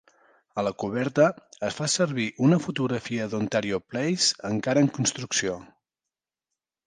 A la coberta es va fer servir una fotografia d'Ontario Place encara en construcció.